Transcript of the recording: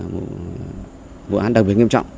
một vụ án đặc biệt nghiêm trọng